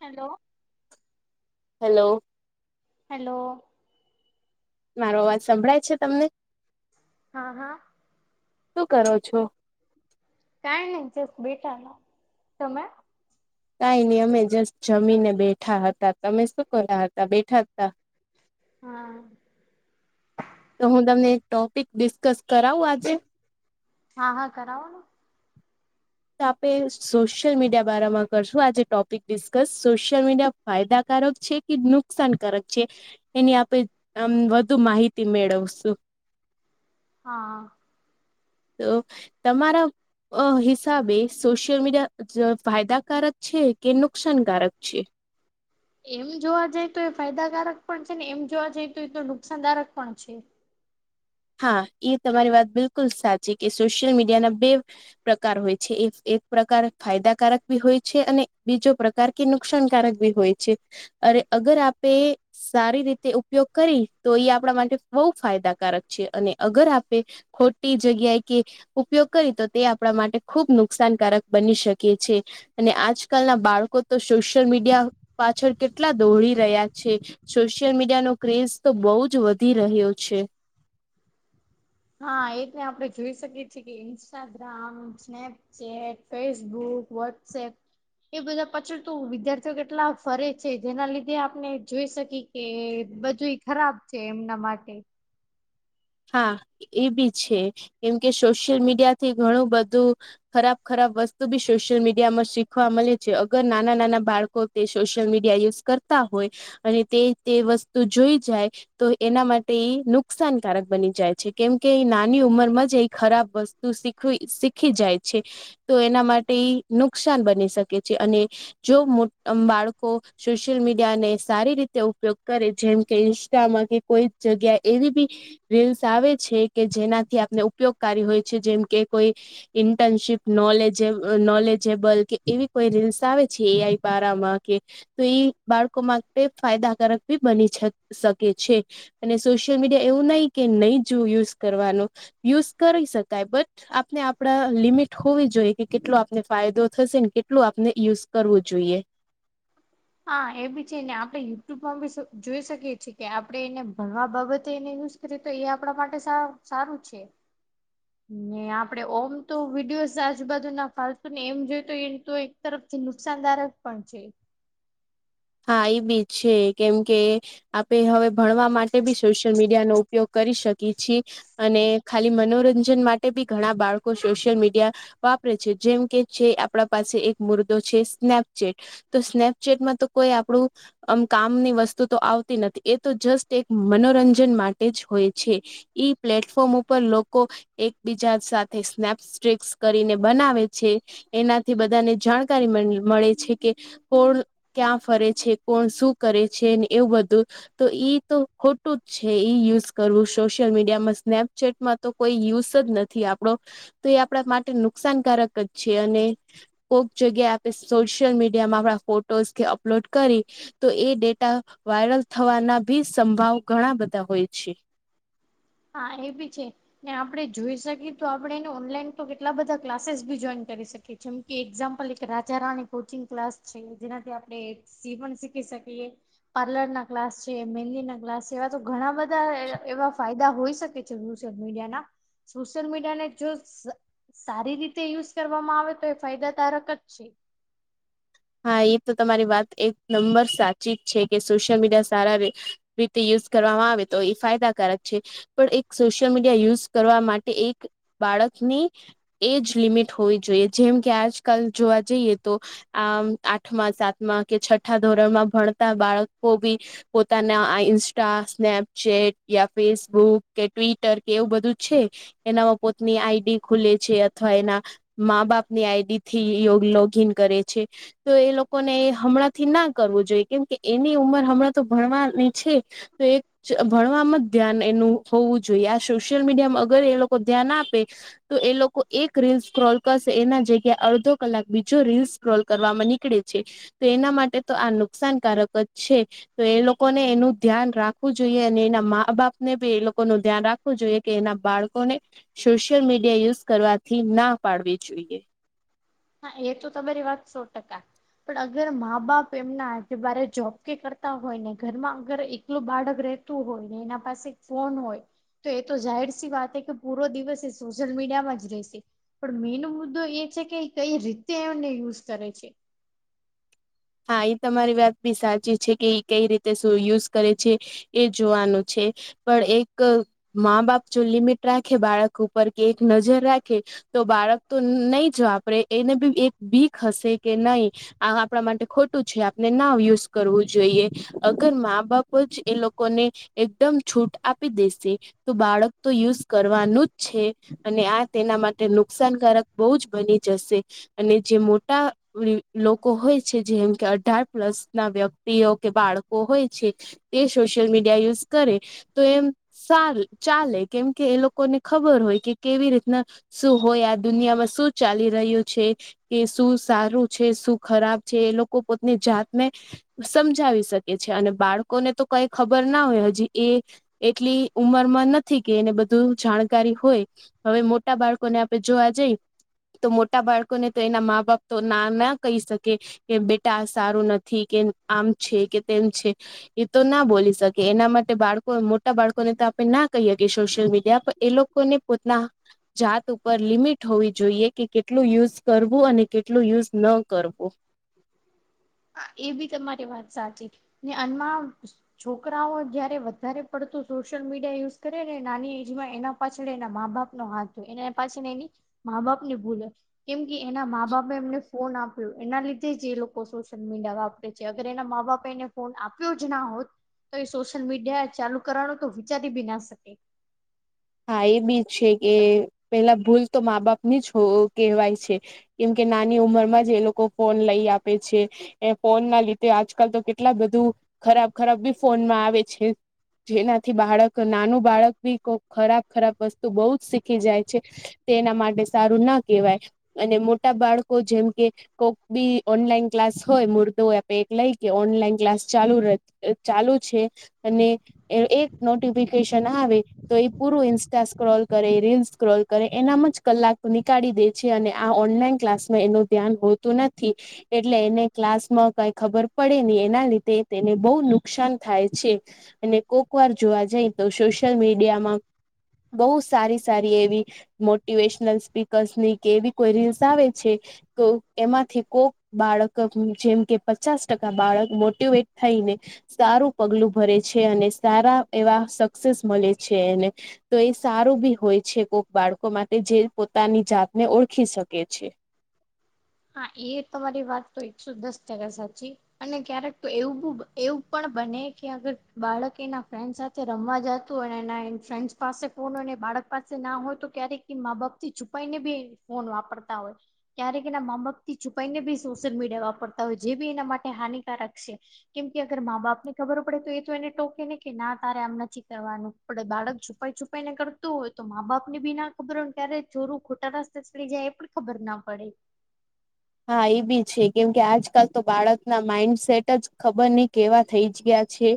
Hello. Hello. Hello. મારો અવાજ સંભળાય છે તમને? હા, હા. શું કરો છો? કઈ નહી, જસ બેઠાનો તમે. કઈ નહી, અમે જસ્ટ જમીને બેઠા હતા, તમે શું કર હતા બેઠા હતા? હા. તો હું તમને એક ટોપિક ડિસ્કસ કરાવું આજે. હા, હા, કરાવો. તો આપણે સોશિયલ મીડિયા બારામાં કરશું, આજે ટોપિક ડિસ્કસ સોશિયલ મીડિયા ફાયદાકારક છે કે, નુકસાનકારક છે? એની આપે, વધુ માહિતી મેળવશું. હા. તો તમારા. અ હિસાબે સોશિયલ મીડિયા ફાયદાકારક છે કે, નુકસાનકારક છે? એમ જોવા જઈ તો, એ ફાયદાકારક પણ છે ને, એમ જોવા જાય તો એ તો નુકસાનદારક પણ છે. હા, એ તમારી વાત બિલકુલ સાચી કે, સોશિયલ મીડિયાના બે પ્રકાર હોય છે, એ એક પ્રકાર ફાયદાકારક બી હોય છે, અને બીજો પ્રકાર કાર કે નુકસાનકારક ભી હોય છે, અરે અગર આપે. સારી રીતે ઉપયોગ કરી તો, એ આપણા માટે બહુ ફાયદાકારક છે, અને અગર આપે. ખોટી જગ્યા કે ઉપયોગ કરી તો, તે આપણા માટે ખુબ નુકસાનકારક બની શકે છે. અને આજકાલના બાળકો તો, સોશિયલ મીડિયા પાછળ કેટલા દોડી રહ્યા છે. સોશિયલ મીડિયાનો ક્રેઝ તો બહુ જ વધી રહ્યો છે. હા, એને આપણે જોઈ શકીએ છીએ કે, Instagram Snapchat Facebook, WhatsApp. એ બધા પછળ તો વિદ્યાર્થીઓ કેટલા ફરે છે, જેના લીધે આપણે જોઈ શકી. કે બધું એ ખરાબ છે, એમના માટે. હા, એ બી છે, કેમ કે સોશિયલ મીડિયા થી ઘણું બધું ખરાબ, ખરાબ વસ્તુ બી સોશિયલ મીડિયા માં શીખવા મળે છે, અગર નાના-નાના બાળકો તે સોશિયલ મીડિયા યુઝ કરતા હોય. અને તે તે વસ્તુ જોઈ જાય, તો એના માટે એ નુકસાન. કારક બની જાય છે, કેમ કે નાની ઉંમર માં જ એ ખરાબ વસ્તુ શીખી જાય છે. તો એના માટે નુકસાન બની શકે છે, અને જો બાળકો સોશિયલ મીડિયા ને, સારી રીતે ઉપયોગ કરે, જેમ કે ઇન્સ્ટામાં કે, કોઈ જગ્યા એવી બી રીલ્સ આવે છે કે, જેનાથી આપણે ઉપયોગકારી હોય છે, જેમ કે કોઈ ઇન્ટર્નશીપ નોલેજ, નોલેજેબલ કે, એવી કોઈ રીલ્સ આવે છે, એ આઈ પારામાં કે તો એ બાળકો માટે ફાયદાકારક ભી બની શકે છે. અને સોશિયલ મીડિયા એવું નહી કે, નહી જોવું યુઝ કરવાનું, યુઝ કરી શકાય બટ. આપને આપડા લિમિટ હોવી જોઈએ, કે કેટલો આપને ફાયદો થશે, કેટલો આપને યુઝ કરવું જોઈએ. હા, એ બી છે ને, આપડણે યુટ્યુબમાં બી જોઈ શકીએ છીએ, કે આપણેે એને ભણવા બાબતે તો એ આપણા માટે સારું છે. [unintelligible] ને આપડે ઓમ તો વિડીયોસ આજુબજુ ના ફતુ ને, એમ જોઈ તો એમ તોય. તરફથી નુકસાનદારક પણ છે. હા, એ બીજ છે કેમ કે આપે, હવે ભણવા માટે બી સોશિયલ મીડિયા નો ઉપયોગ કરી શકીએ છીએ. અને ખાલી મનોરંજન માટે બી ઘણા બાળકો સોશિયલ મીડિયા વાપરે છે, જેમ કે છે, આપણા પાસે એક મુર્દો છે, સ્નેપચેટ તો સ્નેપચેટમાં તો કોઈ આપણું આમ કામની વસ્તુ તો આવતી નથી, એ તો જસ્ટ એક મનોરંજન માટે જ હોય છે. ઈ પ્લેટફોર્મ ઉપર લોકો એકબીજા સાથે સ્નેપ સિક્રીસ કરીને બનાવે છે. એનાથી બધાને જાણકારી મળે છે કે, કોણ ક્યાં ફરે છે? કોણ શું કરે છે? એવું બધું. તો ઈ તો ખોટું જ છે, ઇ યુઝ કરવું, સોશિયલ મીડિયામાં સ્નેપચેટમાં. તો કોઈ યુઝ જ નથી, આપડો તો એ આપણા માટે નુકસાનકારક જ છે, અને કોક જગ્યાએ આપે સોશિયલ મીડિયામાં આપણા ફોટોઝ કે, અપલોડ કરી. તો એ ડેટા વાયરલ થવાના ભી સંભાવ ઘણા બધા હોય છે. હા, એ બી છે. ને આપણે જોઈ શકીએ તો, આપણેે એનો ઓનલાઈન તો કેટલા બધા ક્લાસીસ બી જોઈન કરી શકીએ. જેમ કે એક્ઝામ્પલ કે, રાજારાની કોચિંગ ક્લાસ છે, જેનાથી આપડે શિવણ શીખી શકીએ, પાર્લર ના ક્લાસ છે, મેંદી ના ક્લાસ છે, એવા તો ઘણા બધા બધા એવા ફાયદા હોઈ શકે છે, સોશિયલ મીડિયાના, સોશિયલ મીડિયા ને જો સારી રીતે યુઝ કરવામાં આવે તો, એ ફાયદાકારક જ છે. હા, એ તો તમારી વાત એક નંબર સાચી જ છે, કે સોશિયલ મીડિયા સારા ર રીતે યુઝ કરવામાં આવે તો, એ ફાયદાકારક છે. પણ એક સોશિયલ મીડિયા યુઝ કરવા માટે એક બાળકની એજ લિમિટ હોવી જોઈએ, જેમ કે આજકાલ જોવા જઈએ તો. આમ આઠમા, સાતમા કે, છઠ્ઠા ધોરણ માં ભણતા બાળકો બી પોતાના આ ઇન્સ્ટા, સ્નેપચેટ યા, ફેસબુક કે, ટ્વિટર કે એવું બધું છે. એનામાં પોતની આઈડી ખુલે છે, અથવા એના મા- બાપ ની આઈડી થી એવું લોગઇન કરે છે. તો એ લોકોને એ હમણાં થી ના કરવું જોઈએ, કેમ કે એની ઉંમર હમણાં તો ભણવાની છે. તો એક ભણવામાં જ ધ્યાન એનું હોવું જોઈએ. આ સોશિયલ મીડિયામાં અગર એ લોકો ધ્યાન આપે તો એ લોકો એક રીલ સ્ક્રોલ કરશે, એના જગ્યા અડધો કલાક બીજો રીલ સ્ક્રોલ કરવામાં નીકળે છે. તો એના માટે તો આ નુકસાનકારક જ છે. તો એ લોકો ને એનું ધ્યાન રાખવું જોઈએ, અને એના મા બાપ ને બી એ લોકો ન ધ્યાન રાખ વુ જોઈએ, કે એના બાળકોને સોશિયલ મીડિયા યુઝ કરવાથી ના પાડવી જોઈએ હા એ તો તમારી વાત સો ટકા પણ અગર મા બાપ એમના આજ બારે જોબ કે કરતા હોય, ને ઘરમાં અગર એકલું બાળક રહે રહેતું હોય ને એના પાસે ફોન હોય તો એ તો જાહેર સી વાત કે પૂરો દિવસ એ સોશિયલ મીડિયા માં જ રહેશે પણ મેનો મુદ્દો એ છે કે કઈ રીતે એમને યુઝ કરે છે. હા એ તમારી વાત બી સાચી છે કે એ કઈ રીતે યુઝ કરે છે. એ જોવાનું છે, પણ એક મા બાપ ચો લીમીટ રાખે બાળક ઉપર કે એક નજર રાખે તો બાળક તો નહી જ વાપરે એને બી એક બીક હશે, કે નહી આ આપણા માટે ખોટું છે. આપણે ના યુઝ કરવું જોઈએ અગર મા- બાપ જ એ લોકોને એકદમ છૂટ આપી દેશે તો, બાળક તો યુઝ કરવાનું જ છે. અને આ તેના માટે નુકસાનકારક બહુ જ બની જશે અને જે મોટા લોકો હોય છે. જેમ કે અઢાર પ્લસ ના વ્યક્તિઓ કે બાળકો હોય છે. તે સોશિયલ મીડિયા યુઝ કરે તો એમ સારું ચાલે કેમ કે એ લોકોને ખબર હોય કે કેવી રીતના શું હોય. આ દુનિયામાં શું ચાલી રહ્યું છે? કે શું સારું છે? શું ખરાબ જે એ લોકો પોતની જાતને સમજાવી શકે છે અને બાળકોને તો કઈ ખબર ના હોય, હજી એ એટલી ઉંમરમાં નથી કે એને બધું જાણકારી હોય હવે મોટા બાળકો ને આપડે જોવા જઈ તો મોટા બાળકોને તો એના મા- બાપ તો ના ના કહી શકે કે બેટા સારું નથી. કે આમ છે કે તેમ છે. એ તો ના બોલી શકે. એના માટે બાળકો મોટા બાળકો ને તો આપણે ના કહીએ કે સોશિયલ મીડ ડીયા એ લોકોને પોતાના જાત ઉપર લિમિટ હોવી જોઈએ કે કેટલું યુઝ કરવું અને કેટલું યુઝ ન કરવું હા એ બી તમારી વાત સાચી ને આનમાં છોકરાઓ જયારે વધારે પડતું સોશિયલ મીડિયા યુઝ કરે ને નાની એજમાં એના પાછળ એના મા બાપનો હાથ હોય. એ પાછળ એની મા બાપ ની ભૂલ હોય કેમ કે એના મા બાપે એમને ફોન આપ્યો, એના લીધે જ એ લોકો શો સોશિયલ વાપરે છે. અગર એના મા બાપે એને ફોન આપ્યો જ ના હોત તો એ સોશિયલ મીડિયા ચાલુ કરવાનું તો વિચારી બી ના શકે હા એ બીજ છે કે પેલા ભૂલ તો મા બાપ ની જ કહેવાય છે. કેમ કે નાની ઉંમરમાં જ એ લોકો ફોન લઈ આપે છે. એ ફોન ના લીધે આજકાલ તો કેટલા બધું ખરાબ ખરાબ બી ફોનમાં આવે છે. જેનાથી બાળક નાનું બાળક બી કો ખરાબ ખરાબ વસ્તુ બહુ જ શીખી જાય છે. તે એના માટે સારું ના કેવાય. અને મોટા બાળકો જેમ કે કોક બી ઓનલાઈન ક્લાસ હોય, મુર્દો એે એક લઈ કે ઓનલાઈન ક્લાસ ચાલુ રહે. એનચાલુ છે. અને એ એક નોટિફિકેશન આવે તો એ પૂરું ઈન્સ્ટા સ્ક્રોલ કરે, રીલ સ્ક્રોલ કરે એનામાં જ કલાક નીકાળી દે છે. અને આ ઓનલાઈન ક્લાસ એનું ધ્યાન હોતું નથી. એટલે એને ક્લાસમાં કઈ ખબર પડે નઈ, એના લીધે તેને બઉ નુકસાન થાય છે. અને કોક વાર જોવા જાય તો સોશિયલ મીડિયા માં બઉ સારી સારી એવી મોટિવેશનલ સ્પીકર્સ ની કે એવી કોઈ રીલ્સ આવે છે કે એમાંથી કોક બાળક જેમ કે પચાસ ટકા બાળક મોટીવેટ થઈને સારું પગલું ભરે છે અને સારા એવા સક્સેસ મલે છે એને. તો એ સારું બી હોય છે, કોક બાળકો માટે જે પોતાની જાતને ઓળખી શકે છે. હા એ તમારી વાત તો એકસો દસ ટકા સાચી. અને ક્યારેક તો એવું એવું પણ બને કે અગર બાળક એના ફ્રેન્ડ સાથ જે રમવા જતું અને એના ફ્રેન્ડ્સ પાસે ફોન હોયને બાળક પાસે ના હોય તો ક્યારેક કે માં બાપ થી છુપાઈને બી ફોન વાપરતા હોય. ક્યારેક એના માંબાપથી છુપાઈને બી સોશિયલ મીડિયા વાપરતા હોય, જે બી એના માટે હાનિકારક છે. કેમ કે અગર માં બાપ ને ખબર પડે તો એ તો એને ટોકે ને કે ના તારે આમ નથી કરવાનું ડે બાળક છુપાઈ છુપાઈ ને કરતું હોય, તો મા બાપને બી ના ખબર હોય ને ત્યારે ચોરું ખોટા રસ્તા થઈ જાય એ પણ ખબર ના પડે. હા એ બી છે, કેમકે આજકાલ તો બાળકના માઈન્ડસેટ જ ખબર નઈ કેવા થઈ જ ગયા છે.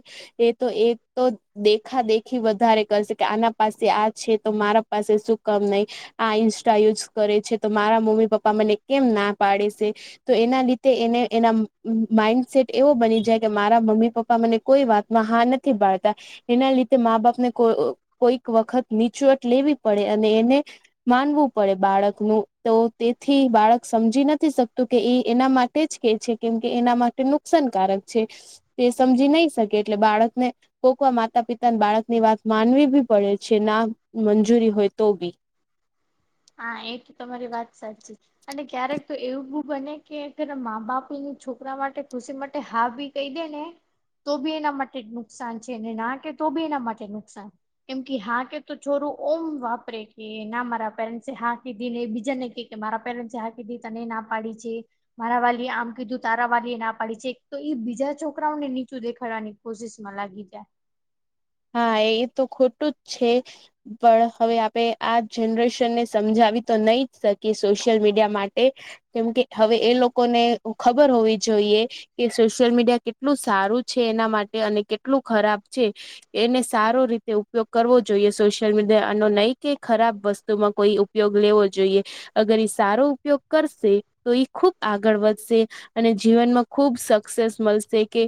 એ તો એ તો દેખા દેખી વધારે કરશે, કે આના પાસે આ છે તો મારા પાસે શું કમ નઈ. આ ઇન્સ્ટા યુઝ કરે છે, તો મારા મમ્મી પપ્પા મને કેમ ના પાડે છે. તો એના લીધે એને એના માઇન્ડસેટ એવો બની જાય, કે મારા મમ્મી પપ્પા મને કોઈ વાતમાં હા નથી પાડતા. એના લીધે માંબાપને કોઈક વખત નીચવટ લેવી પડે. અને એને માનવું પડે બાળકનું, તો તેથી બાળક સમજી નથ થી શકતું કે એ એના માટે જ કે છે કેમ કે એના માટે નુકસાનકારક છે. તે સમજી નહી શકે એટલે બાળકને કોકવા માતા પિતાને બાળકની વાત માનવી બી પડે છે, ના મંજૂરી હોય તો બી. હા, એ તો તમારી વાત સાચી. અને ક્યારેક તો એવું બી બને કે અગર માં બાપ એની છોકરા માટે ખુશી માટે હા ભી કહી દે ને. તો બી એના માટે જ નુકસાન છે, ના કે તો બી એના માટે નુકસાન. કેમ કે હા કે તો ચોરું ઓમ વાપરે કે ના મારા પેરેન્ટસ છે હા કીધી ને બીજા ને કે કે મારા પેરેન્ટ જે હા કીધી, તને ના પાડી છે. મારા વાલીએ આમ કીધું તારા વાલી એ ના પાડી છે. તોઈ બીજા છોકરાઓને નીચું દેખાવાની કોશિસ માં લાગી જાય. હા, એ તો ખોટું જ છે. પણ હવે આપે આ જનરેશનને સમજાવી તો નહી જ શકીએ સોશિયલ મીડિયા માટે કેમકે હવે એ લોકોને ખબર હોવી જોઈએ કે સોશિયલ મીડિયા કેટલું સારું છે એના માટે અને કેટલું ખરાબ છે. એને સારો રીતે ઉપયોગ કરવો જોઈએ સોશિયલ મીડિયા આનો નહી કે ખરાબ વસ્તુમાં કોઈ ઉપયોગ લેવો જોઈએ અગર એ સારો ઉપયોગ કરશે તો ખૂબ આગળ વધશે. અને જીવનમાં ખુબ સક્સેસ મલશે કે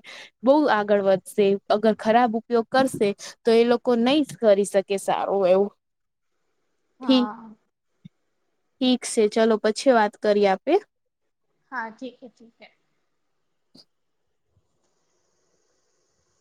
બહુ આગળ વધશે અગર ખરાબ ઉપયોગ કરશે તો એ લોકો નહી કરી શકે સારું એવું. ઠી હા ઠીક છે ચલો પછી વાત કરીએ આપે હા ઠીક હે ઠીકે હે.